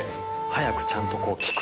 早くちゃんと。